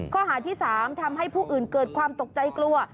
ข้อหาที่๓ทำให้ผู้อื่นเกิดความตกใจกลัว